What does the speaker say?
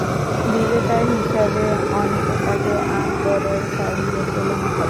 বিজেতা হিসাবে অনেকে তাকে আকবরের সঙ্গে তুলনা করেন।